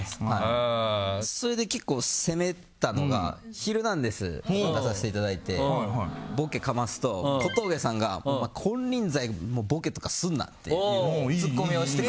それで結構攻めたのが「ヒルナンデス！」に出させていただいてボケかますと小峠さんが金輪際ボケとかすんなっていいじゃん！